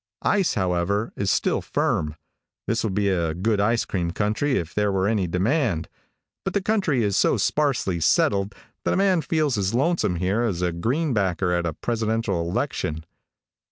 Ice, however, is still firm. This would be a good ice cream country if there were any demand, but the country is so sparsely settled that a man feels as lonesome here as a green backer at a presidential election.